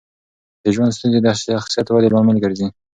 د ژوند ستونزې د شخصیت ودې لامل ګرځي.